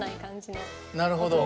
なるほど。